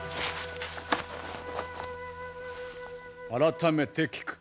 改めて聞く。